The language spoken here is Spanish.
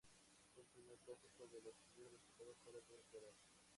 Fue el primer Clásico del Astillero disputado fuera de Ecuador.